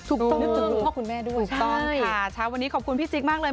นึกถึงคุณพ่อคุณแม่ด้วยถูกต้องค่ะเช้าวันนี้ขอบคุณพี่จิ๊กมากเลย